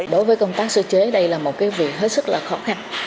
đối với công tác sơ chế đây là một cái việc hết sức là khó khăn